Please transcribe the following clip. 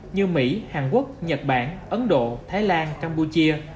như mỹ hàn quốc nhật bản ấn độ thái lan campuchia